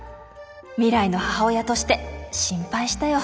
未来の母親として心配したよ。